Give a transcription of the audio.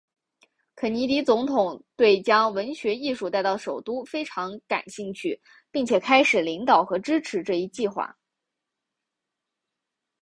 肯尼迪总统对将文学艺术带到首都非常感兴趣并且开始领导和支持这一计划。